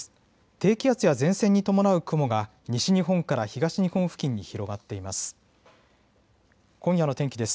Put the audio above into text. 低気圧や前線に伴う雲が西日本から東日本付近に広がっています。